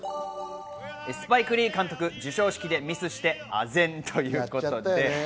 スパイク・リー監督、授賞式でミスしてあ然ということです。